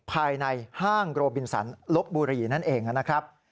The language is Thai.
ภายในห้างโรบินสันลบบุรีนั่นเองนะครับ